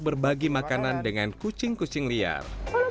berbagi makanan dengan kucing kucing liar